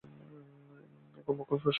এখন মোক্ষম প্রশ্নটা হলো, আলো কী?